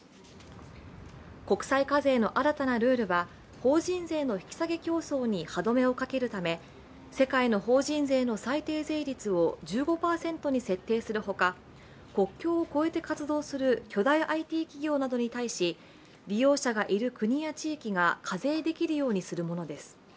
国際課税の新たなルールは法人税の引き下げ競争に歯止めをかけるため世界の法人税の最低税率を１５％に設定するほか、国境を越えて活動する巨大ＩＴ企業などに対し、利用者がいる国や地域が課税できるようにするものです。